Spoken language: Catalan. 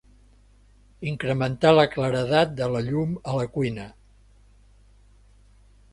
Incrementar la claredat de la llum a la cuina.